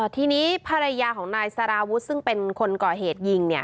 ทีนี้ภรรยาของนายสารวุฒิซึ่งเป็นคนก่อเหตุยิง